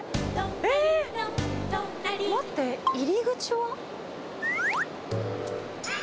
えー、待って、入り口は？